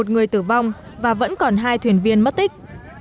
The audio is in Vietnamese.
một mươi một người tử vong và vẫn còn hai thuyền viên mất tích